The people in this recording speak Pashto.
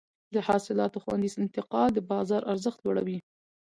د حاصلاتو خوندي انتقال د بازار ارزښت لوړوي.